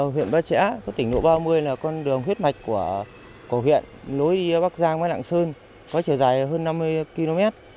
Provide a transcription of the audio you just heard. huyện ba trẻ tỉnh lộ ba mươi là con đường huyết mạch của huyện lối bắc giang với lạng sơn có trời dài hơn năm mươi km